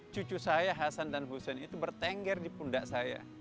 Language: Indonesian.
cucu saya hasan dan hussein itu bertengger di pundak saya